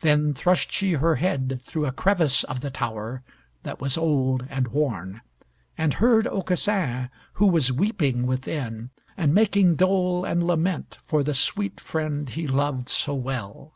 Then thrust she her head through a crevice of the tower, that was old and worn, and heard Aucassin, who was weeping within, and making dole and lament for the sweet friend he loved so well.